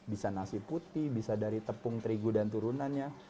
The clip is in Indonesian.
bisa nasi putih bisa dari tepung terigu dan turunannya